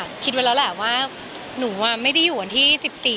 ก็คิดไว้แล้วแหละว่าหนูไม่ได้อยู่วันที่๑๔